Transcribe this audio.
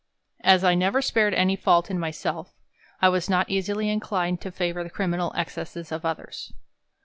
As I never spared any fault in myself, I was not easily inclined to favour the criminal ex cesses of others.